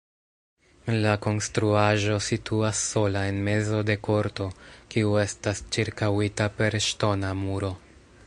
La konstruaĵo situas sola en mezo de korto, kiu estas ĉirkaŭita per ŝtona muro.